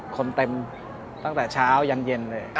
คนเต็มตั้งแต่เช้ายันเย็นเลย